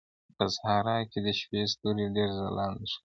په صحراء کې د شپې ستوري ډېر ځلانده ښکاري.